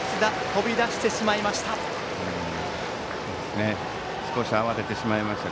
飛び出してしまいました。